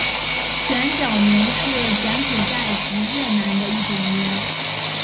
旋角牛是柬埔寨及越南的一种牛。